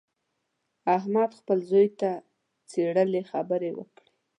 احمد خپل زوی ته څیرلې خبرې وکړې.